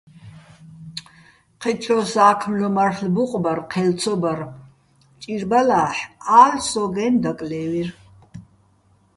ჴეჩო სა́ქმლო მარლ'ო ბუყბარ ჴელ ცო ბარ, ჭირბალა́ჰ̦ ა́ლ'ო̆ სო́გო̆-აჲნო̆, დაკლე́ვირ.